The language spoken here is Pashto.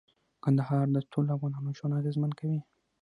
کندهار د ټولو افغانانو ژوند اغېزمن کوي.